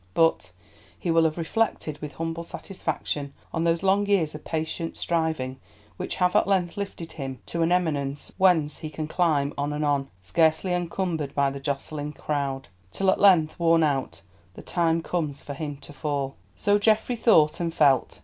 But he will have reflected with humble satisfaction on those long years of patient striving which have at length lifted him to an eminence whence he can climb on and on, scarcely encumbered by the jostling crowd; till at length, worn out, the time comes for him to fall. So Geoffrey thought and felt.